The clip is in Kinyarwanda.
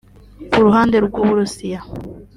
Ku ruhande rw’u Burusiya